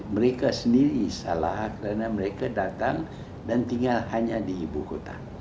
mereka sendiri salah karena mereka datang dan tinggal hanya di ibu kota